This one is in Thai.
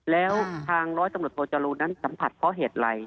แล้วทางร้อยสมรสโทษธรูปนั้นสัมผัสเพราะเหตุไร